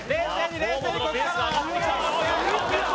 河本のペースが上がってきたさあ